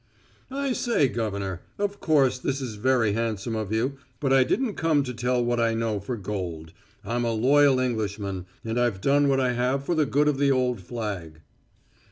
"I say, Governor, of course this is very handsome of you, but I didn't come to tell what I know for gold. I'm a loyal Englishman, and I've done what I have for the good of the old flag."